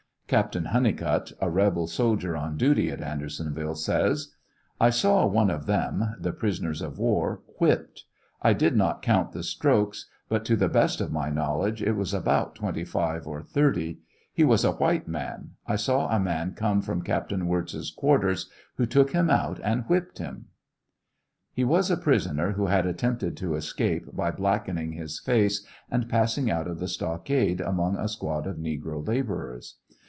Captain Honeycutt, a rebel soldier on duty at Andersonville, says : I saw one of them (the prisoners of war) whipped ; I did not count the strokes, but to the best of my knowledge, it was about twenty five or thirty; he was a white man; I saw a man come from Captain Wirz's quarters, who took him out and whipped him. He was a prisoner who had attempted to escape by blackening his face, and passing out of the stockade among a squad of negro laborers.